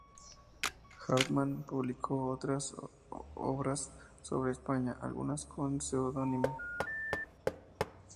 Hardman publicó otras obras sobre España, algunas con seudónimo.